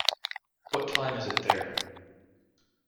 What Time Is It There?